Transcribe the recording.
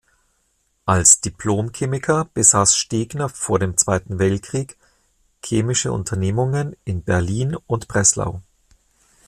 Als Diplom-Chemiker besaß Stegner vor dem Zweiten Weltkrieg chemische Unternehmungen in Berlin und Breslau.